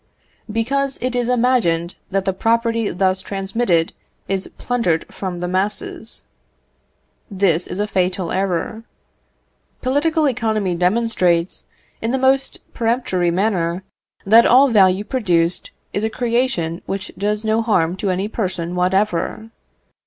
Because it is imagined that the property thus transmitted is plundered from the masses. This is a fatal error. Political economy demonstrates, in the most peremptory manner, that all value produced is a creation which does no harm to any person whatever.